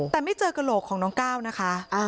แต่ไม่เจอกระโหลกของน้องก้าวนะคะ